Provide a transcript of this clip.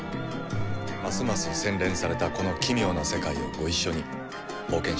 ますます洗練されたこの奇妙な世界をご一緒に冒険しましょう。